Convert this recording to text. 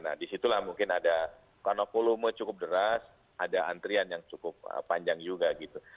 nah disitulah mungkin ada karena volume cukup deras ada antrian yang cukup panjang juga gitu